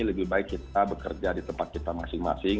lebih baik kita bekerja di tempat kita masing masing